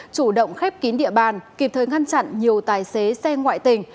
chủ động khép kín địa bàn kịp thời ngăn chặn nhiều tài xế xe ngoại tình